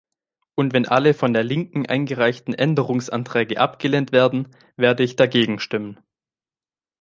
Und wenn alle von der Linken eingereichten Änderungsanträge abgelehnt werden, werde ich dagegen stimmen.